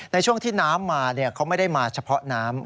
ในช่วงที่น้ำมาเขาไม่ได้มาเฉพาะน้ำ